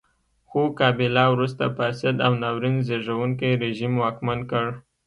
خو کابیلا وروسته فاسد او ناورین زېږوونکی رژیم واکمن کړ.